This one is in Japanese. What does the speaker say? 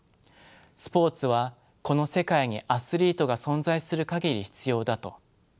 「スポーツはこの世界にアスリートが存在する限り必要だ」と。